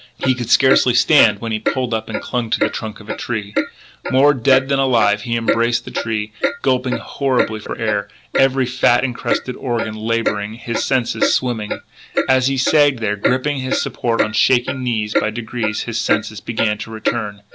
He could scarcely stand when he pulled up and clung to the trunk of a tree. More dead than alive he embraced the tree, gulping horribly for air, every fat incrusted organ labouring, his senses swimming. As he sagged there, gripping his support on shaking knees, by degrees his senses began to return.